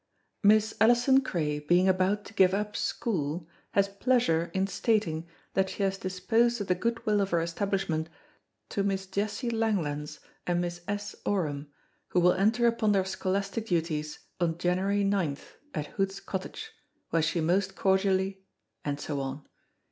"Miss Alison Cray being about to give up school, has pleasure in stating that she has disposed of the good will of her establishment to Miss Jessy Langlands and Miss S. Oram, who will enter upon their scholastic duties on January 9th, at Hoods Cottage, where she most cordially," and so on.